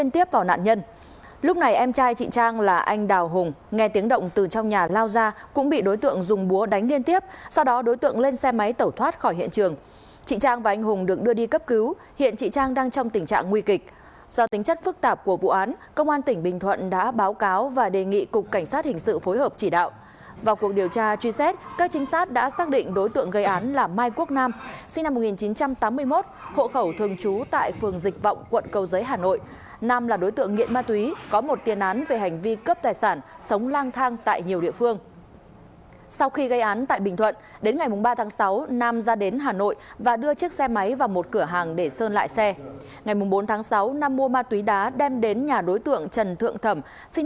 ngày bốn tháng sáu nam mua ma túy đá đem đến nhà đối tượng trần thượng thẩm sinh năm một nghìn chín trăm năm mươi chín